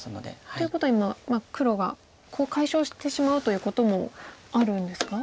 ということは今黒がコウ解消してしまうということもあるんですか？